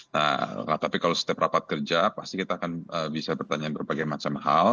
nah tapi kalau setiap rapat kerja pasti kita akan bisa bertanya berbagai macam hal